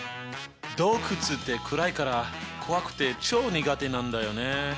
洞窟って暗いから怖くてチョー苦手なんだよね。